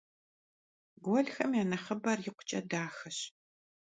Guelxem ya nexhıber yikhuç'e daxeş.